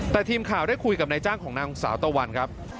แต่ทีมข่าวได้คุยกับนายจ้างของนางสาวตะวันครับ